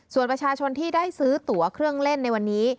ส่วนประชาชนที่ได้ซื้อตัวเครื่องเล่นในวันนี้